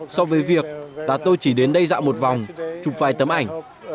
so với việc đã tôi chỉ đến đây dạo một vòng chụp vài tấm ảnh